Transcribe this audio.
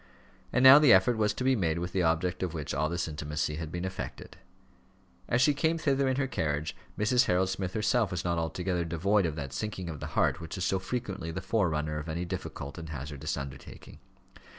And now the effort was to be made with the object of which all this intimacy had been effected. As she came thither in her carriage, Mrs. Harold Smith herself was not altogether devoid of that sinking of the heart which is so frequently the forerunner of any difficult and hazardous undertaking.